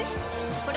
これ！